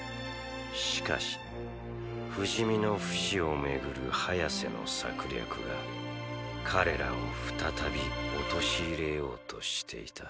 しかし不死身のフシをめぐるハヤセの策略が彼らを再び陥れようとしていた